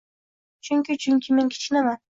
— Chunki… chunki men kichkinaman!